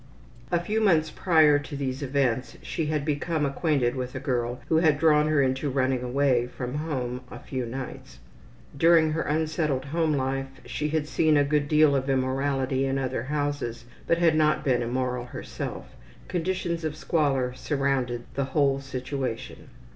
A few months prior to these events she had become acquainted with a girl who had drawn her into running away from home a few nights. During her unsettled home life she had seen a good deal of immorality in other houses, but had not been immoral herself. Conditions of squalor surrounded the whole situation.